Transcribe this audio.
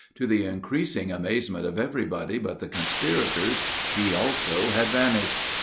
To the increasing amazement of everybody but the conspirators, he also had vanished.